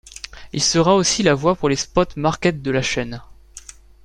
Il sera aussi la voix pour les spots market de la chaine.